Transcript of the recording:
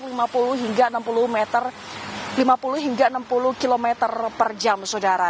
kondisinya melaju dengan kecepatan sekitar lima puluh hingga enam puluh meter lima puluh hingga enam puluh kilometer per jam saudara